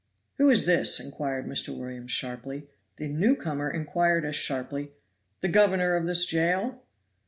"Who is this?" inquired Mr. Williams sharply. The newcomer inquired as sharply, "The governor of this jail?"